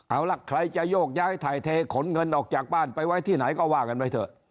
เอาล่ะใครจะโยกย้ายถ่ายเทขนเงินออกจากบ้านไปไว้ที่ไหนก็ว่ากันไปเถอะ